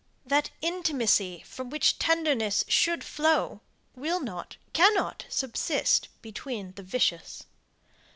That intimacy from which tenderness should flow, will not, cannot subsist between the vicious.